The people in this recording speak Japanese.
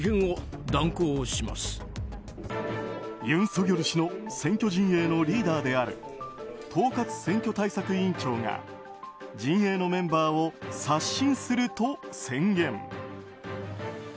ユン・ソギョル氏の選挙陣営のリーダーである統括選挙対策委員長が陣営のメンバーを刷新すると宣言。